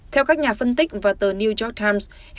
theo các nhà phân tích và tờ new york times